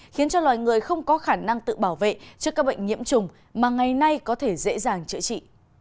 khiến cho loài người không có khả năng tự bảo vệ trước các bệnh nhiễm trùng mà ngày nay có thể dễ dàng chữa trị